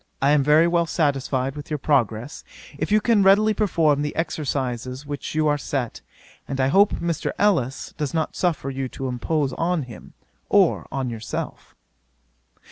I am very well satisfied with your progress, if you can really perform the exercises which you are set; and I hope Mr. Ellis does not suffer you to impose on him, or on yourself.